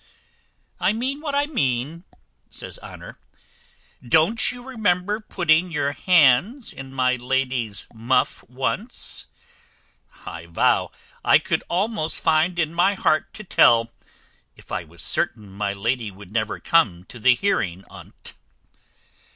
"I mean what I mean," says Honour. "Don't you remember putting your hands in my lady's muff once? I vow I could almost find in my heart to tell, if I was certain my lady would never come to the hearing on't."